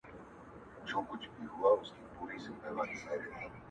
یوه شېبه چي دي نقاب سي د خمارو سترګو!.